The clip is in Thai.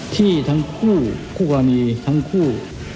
ที่ทั้งคู่คู่กรณีทั้งคู่